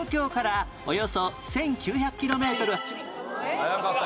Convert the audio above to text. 早かった。